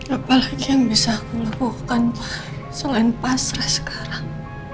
apalagi yang bisa aku lakukan selain pasrah sekarang